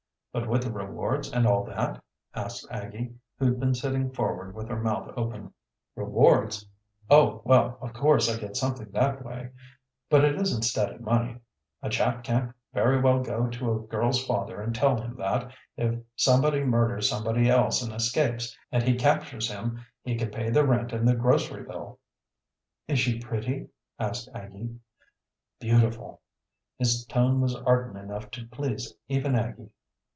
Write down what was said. "But with the rewards and all that?" asked Aggie, who'd been sitting forward with her mouth open. "Rewards? Oh, well, of course I get something that way. But it isn't steady money. A chap can't very well go to a girl's father and tell him that, if somebody murders somebody else and escapes and he captures him, he can pay the rent and the grocery bill." "Is she pretty?" asked Aggie. "Beautiful!" His tone was ardent enough to please even Aggie.